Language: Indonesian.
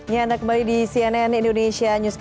ya anda kembali di cnn indonesia newscast